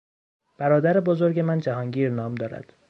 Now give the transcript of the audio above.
برادر بزرگ من جهانگیر نام دارد.